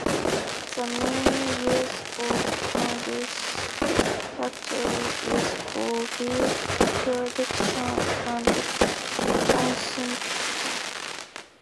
The main use of Angus cattle is for beef production and consumption.